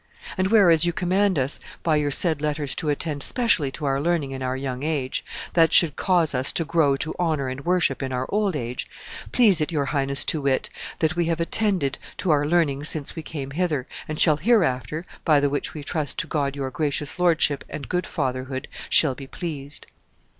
"And whereas you command us by your said letters to attend specially to our learning in our young age, that should cause us to grow to honor and worship in our old age, please it your highness to wit, that we have attended to our learning since we came hither, and shall hereafter, by the which we trust to God your gracious lordship and good fatherhood shall be pleased.